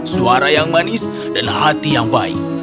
suara yang manis dan hati yang baik